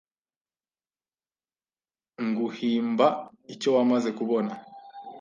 Nguhimba icyo wamaze kubona